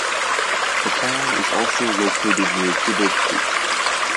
The town is also located near Dibble Creek.